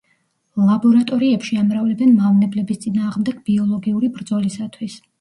ლაბორატორიებში ამრავლებენ მავნებლების წინააღმდეგ ბიოლოგიური ბრძოლისათვის.